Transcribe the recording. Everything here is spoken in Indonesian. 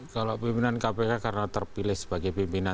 kalau pimpinan kpk karena terpilih sebagai pimpinan